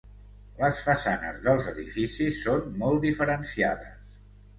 Les façanes dels edificis són molt diferenciades.